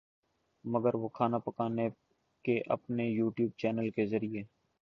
مگر وہ کھانا پکانے کے اپنے یو ٹیوب چینل کے ذریعے